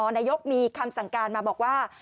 นายกมีคำสั่งการมาบอกว่า